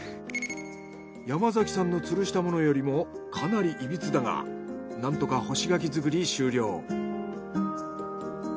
山崎さんのつるしたものよりもかなりいびつだがなんとか干し柿作り終了。